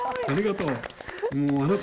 ありがとう。